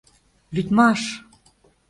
Лӱдмаш!..